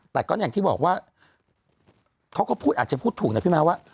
แต่ก็อย่างที่บอกว่าเขาก็พูดอาจจะพูดถูกนะพี่ม้าว่า